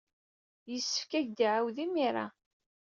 Yessefk ad ak-d-iɛawed imir-a.